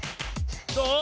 どう？